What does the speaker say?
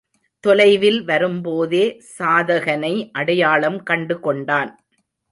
தொலைவில் வரும்போதே சாதகனை அடையாளம் கண்டு கொண்டான்.